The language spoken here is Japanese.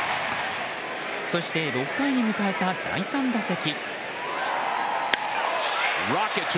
そして６回に迎えた第３打席。